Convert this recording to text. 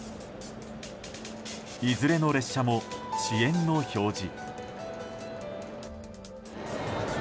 いずれの列車も遅延の表示。